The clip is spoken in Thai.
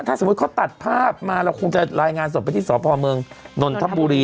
ถ้าสมมุติเขาตัดภาพมาเราคงจะรายงานสดไปที่สพเมืองนนทบุรี